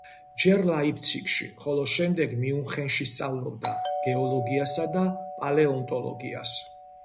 ჯერ ლაიფციგში, ხოლო შემდეგ მიუნხენში სწავლობდა გეოლოგიასა და პალეონტოლოგიას.